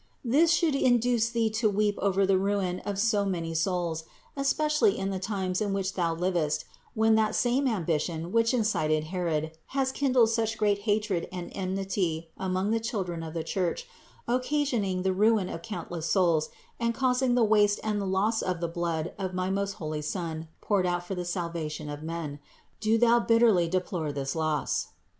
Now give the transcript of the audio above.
This should induce thee to weep over the ruin of so many souls; especially in the times in which thou livest, 38 582 CITY OF GOD when that same ambition which incited Herod, has kindled such great hatred and enmity among the children of the Church, occasioning the ruin of countless souls and causing the waste and loss of the blood of my most holy Son, poured out for the salvation of men. Do thou bitterly deplore this loss.